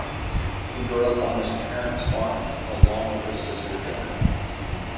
He grew up on his parents' farm along with his sister Joanna.